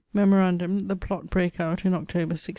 Memorandum the plott brake out in Oct. 1678.